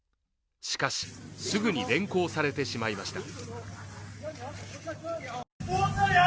しかし、すぐに連行されてしまいました。